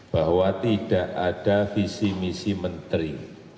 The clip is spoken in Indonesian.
bahwa tidak ada visi misi menteri